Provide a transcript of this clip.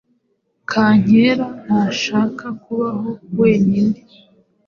Kankera ntashaka kubaho wenyine.